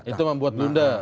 itu membuat menurut saya